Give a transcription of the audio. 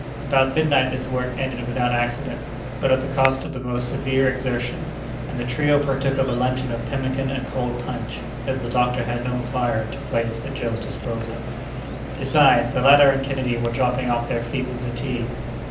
About midnight this work ended without accident, but at the cost of most severe exertion, and the trio partook of a luncheon of pemmican and cold punch, as the doctor had no more fire to place at Joe's disposal. Besides, the latter and Kennedy were dropping off their feet with fatigue.